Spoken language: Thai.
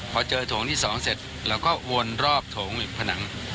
พอเจอโถงที่๒เสร็จเราก็วนรอบโถงผนัง